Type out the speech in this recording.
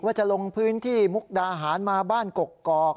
จะลงพื้นที่มุกดาหารมาบ้านกกอก